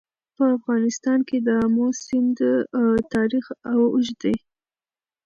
په افغانستان کې د آمو سیند تاریخ اوږد دی.